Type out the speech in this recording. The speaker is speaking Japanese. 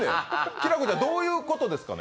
きらこちゃんどういうことですかね。